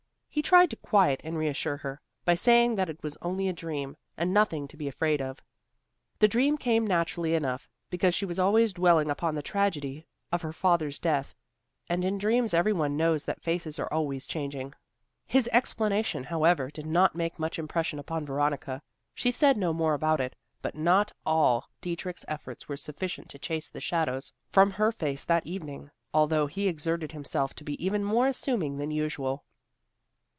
He tried to quiet and reassure her, by saying that it was only a dream, and nothing to be afraid of. The dream came naturally enough, because she was always dwelling upon the tragedy of her father's death, and in dreams every one knows that faces are always changing. His explanation, however, did not make much impression upon Veronica. She said no more about it; but not all Dietrich's efforts were sufficient to chase the shadows from her face that evening, although he exerted himself to be even more amusing than usual.